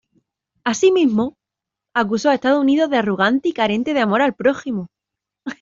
Asimismo, acusó a Estados Unidos de ""arrogante"" y carente de "amor al prójimo".